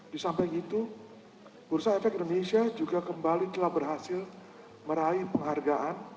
di samping itu bursa efek indonesia juga kembali telah berhasil meraih penghargaan